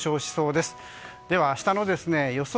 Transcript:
では明日の予想